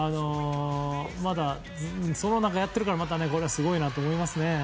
またその中でやってるからこれはすごいなと思います。